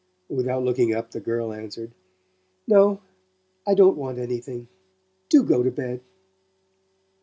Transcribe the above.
Without looking up the girl answered: "No. I don't want anything. Do go to bed."